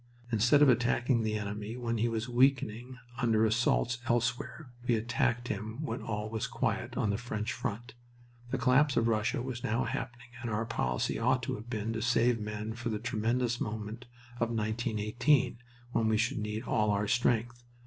Instead of attacking the enemy when he was weakening under assaults elsewhere, we attacked him when all was quiet on the French front. The collapse of Russia was now happening and our policy ought to have been to save men for the tremendous moment of 1918, when we should need all our strength.